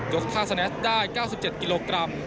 ค่าสแนสได้๙๗กิโลกรัม